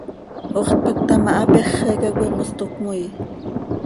Ox tpacta ma, hapéxeca coi mos toc cömoii.